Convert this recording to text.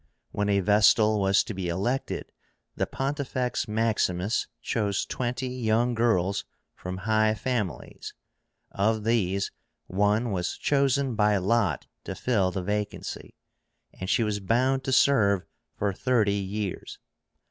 When a vestal was to be elected, the Pontifex Maximus chose twenty young girls from high families. Of these one was chosen by lot to fill the vacancy, and she was bound to serve for thirty years.